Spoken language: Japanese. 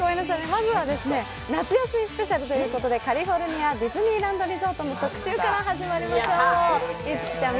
まずは、夏休みスペシャルということで、カリフォルニア・ディズニーランド・リゾートの特集から始まりましょう。